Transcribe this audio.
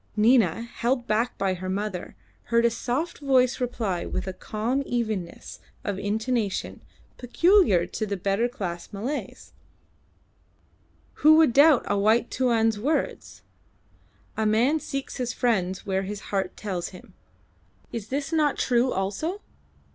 Nina, held back by her mother, heard a soft voice reply with a calm evenness of intonation peculiar to the better class Malays "Who would doubt a white Tuan's words? A man seeks his friends where his heart tells him. Is this not true also?